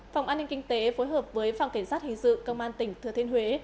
phòng an ninh kinh tế phối hợp với phòng cảnh sát hình sự công an tỉnh thừa thiên huế